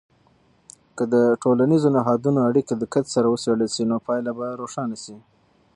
که د ټولنیزو نهادونو اړیکې دقت سره وڅیړل سي، نو پایله به روښانه سي.